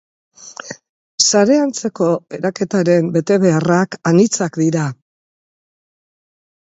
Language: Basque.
Sare-antzeko eraketaren betebeharrak anitzak dira.